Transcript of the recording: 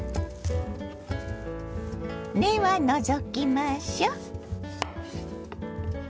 根は除きましょう。